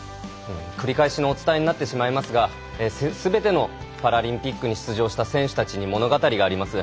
繰り返しのお伝えになってしまいますがすべてのパラリンピックに出場した選手たちに物語があります。